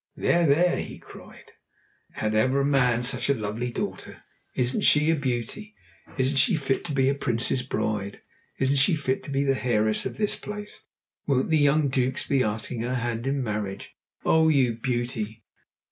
"There, there!" he cried; "had ever man such a lovely daughter? Isn't she a beauty? Isn't she fit to be a prince's bride? Isn't she fit to be the heiress of all this place? Won't the young dukes be asking her hand in marriage? Oh, you beauty!